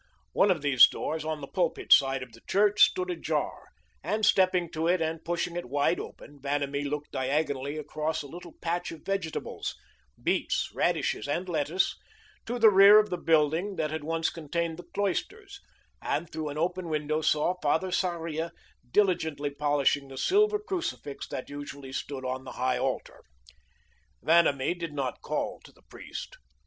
One of these doors, on the pulpit side of the church, stood ajar, and stepping to it and pushing it wide open, Vanamee looked diagonally across a little patch of vegetables beets, radishes, and lettuce to the rear of the building that had once contained the cloisters, and through an open window saw Father Sarria diligently polishing the silver crucifix that usually stood on the high altar. Vanamee did not call to the priest.